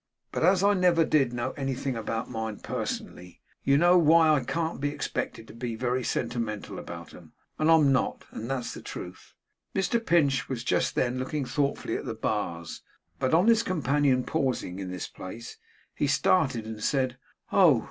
But as I never did know anything about mine personally, you know, why, I can't be expected to be very sentimental about 'em. And I am not; that's the truth.' Mr Pinch was just then looking thoughtfully at the bars. But on his companion pausing in this place, he started, and said 'Oh!